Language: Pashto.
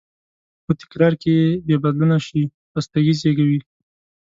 خو تکرار که بېبدلونه شي، خستګي زېږوي.